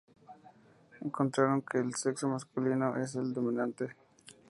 Encontraron que "el sexo masculino es el dominante".